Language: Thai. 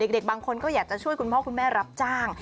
เด็กบางคนก็อยากจะช่วยคุณพ่อคุณแม่รับจ้าง